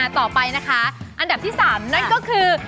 ต่อไปนะคะอันดับที่๓นั่นก็คือ